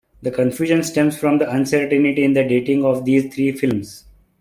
The confusion stems from the uncertainty in the dating of these three films.